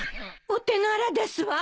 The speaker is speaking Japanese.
お手柄ですわ。